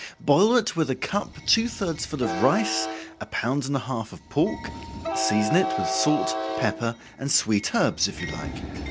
Boil it with a cup two thirds full of rice, a pound and a half of pork season it with salt, pepper, and sweet herbs, if you like.